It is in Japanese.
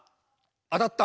当たった。